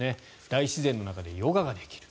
大自然の中でヨガができる。